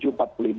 mungkin itu aja